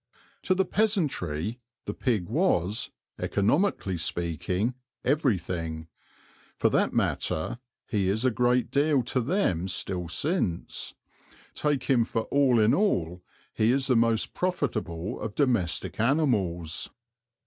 To the peasantry the pig was, economically speaking, everything; for that matter he is a great deal to them still since, take him for all in all, he is the most profitable of domestic animals.